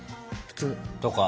普通。